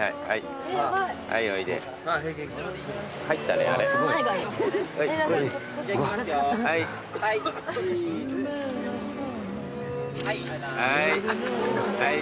はいはい。